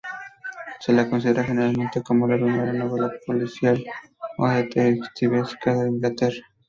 Se la considera generalmente como la primera novela policial o detectivesca de Inglaterra.